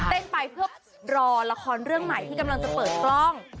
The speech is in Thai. เต้นไปเพื่อรอละครเรื่องใหม่ที่กำลังจะเปิดกล้อง